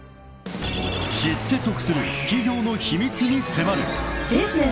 ［知って得する企業の秘密に迫る］